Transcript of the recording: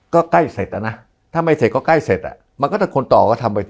ก็ใกล้เสร็จอะนะถ้าไม่เสร็จก็ใกล้เสร็จอ่ะมันก็ถ้าคนต่อก็ทำไปสิ